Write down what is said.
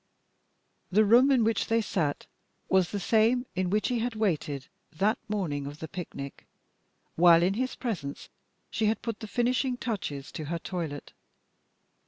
The room in which they sat was the same in which he had waited that morning of the picnic, while in his presence she had put the finishing touches to her toilet.